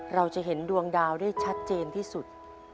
เราจะเห็นดวงดาวได้ชัดเจนที่สุด